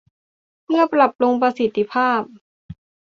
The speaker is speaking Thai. เพื่อปรับปรุงประสิทธิภาพ